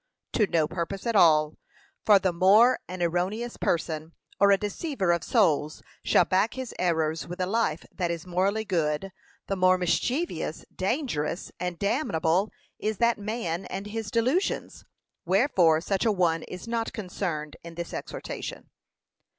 to no purpose at all: for the more an erroneous person, or a deceiver of souls, shall back his errors with a life that is morally good, the more mischievous, dangerous, and damnable is that man and his delusions; wherefore such a one is not concerned in this exhortation.